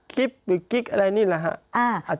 พี่เรื่องมันยังไงอะไรยังไง